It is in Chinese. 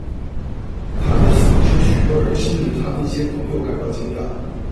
她的死使许多人，甚至她的一些朋友感到惊讶。